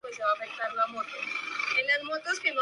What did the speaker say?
Esos huevos generan larvas que se comen a la hormiga viva.